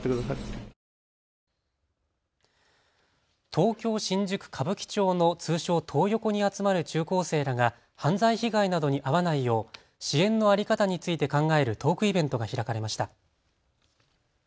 東京新宿歌舞伎町の通称、トー横に集まる中高生らが犯罪被害などに遭わないよう支援の在り方について考えるトークイベントが開かれました。